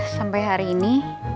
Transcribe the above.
sampai hari ini